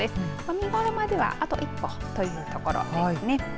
見頃まではあと一歩というところですね。